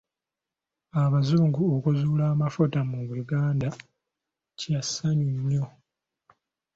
Abazungu okuzuula amafuuta mu Uganda kyansanyu nnyo.